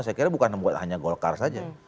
saya kira bukan hanya golkar saja